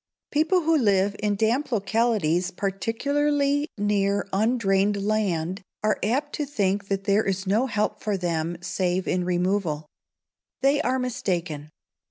People who live in damp localities, particularly near undrained land, are apt to think that there is no help for them save in removal. They are mistaken.